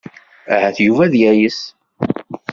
Ahat Yuba ad yayes.